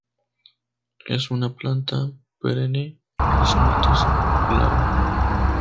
Es una planta perenne, rizomatosa, glabra.